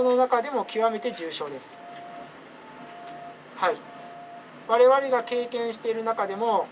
はい。